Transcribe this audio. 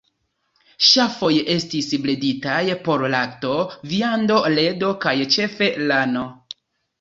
Ŝafoj estis breditaj por lakto, viando, ledo kaj ĉefe lano.